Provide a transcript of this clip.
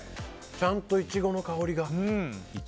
ちゃんとイチゴの香りが。